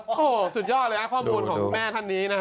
โอ้โหสุดยอดเลยนะข้อมูลของคุณแม่ท่านนี้นะฮะ